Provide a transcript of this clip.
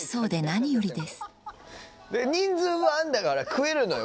人数分あんだから食えるのよ